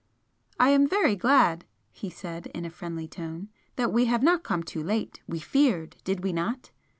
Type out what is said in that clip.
"I am very glad," he said, in a friendly tone "that we have not come too late. We feared did we not?"